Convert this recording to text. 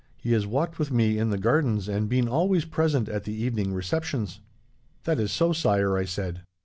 He has walked with me in the gardens, and been always present at the evening receptions.' "'That is so, Sire,' I said.